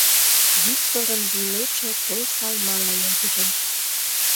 Викторын вуйлепше той салмала йылгыжеш.